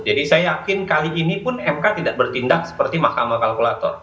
jadi saya yakin kali ini pun mk tidak bertindak seperti mahkamah kalkulator